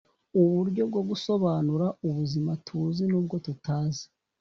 Uburyo bwo gusobanura ubuzima tuzi n'ubwo tutazi.